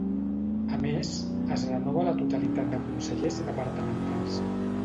A més, es renova la totalitat de consellers departamentals.